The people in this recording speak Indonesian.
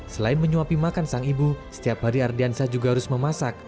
selain menyuapi makan sang ibu setiap hari ardiansah juga harus memasak